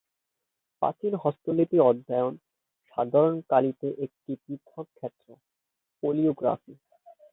প্রাচীন হস্তলিপির অধ্যয়ন, সাধারণত কালিতে, একটি পৃথক ক্ষেত্র, প্যালিওগ্রাফি।